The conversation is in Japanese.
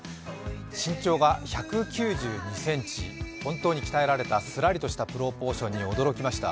身長が１９２ｃｍ、本当に鍛えられたすらりとしたプロポーションに驚きました。